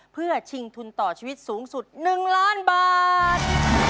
เพื่อชิงทุนต่อชีวิตสูงสุด๑ล้านบาท